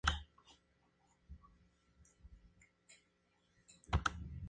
Ambos accesos son transitables en verano.